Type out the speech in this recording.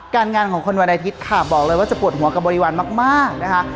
งานของคนวันอาทิตย์ค่ะบอกเลยว่าจะปวดหัวกับบริวารมากนะคะ